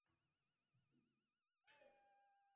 muloqot jarayonida eng og‘riqli nuqtalarga urg‘u berish